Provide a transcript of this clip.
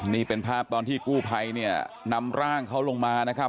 นี่เป็นภาพตอนที่กู้ภัยเนี่ยนำร่างเขาลงมานะครับ